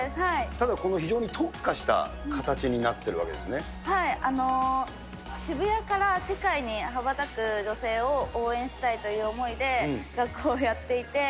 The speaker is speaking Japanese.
ただ、この非常に特化した形渋谷から世界に羽ばたく女性を応援したいという思いで、学校をやっていて。